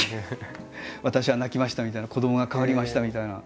「私は泣きました」みたいな「子どもが変わりました」みたいな。